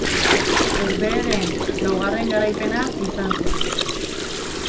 Herbehereen laugarren garaipena izan zen.